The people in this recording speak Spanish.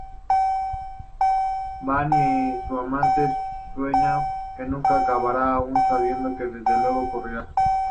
Van y su amante "sueñan que nunca acabará", aún sabiendo que desde luego ocurrirá".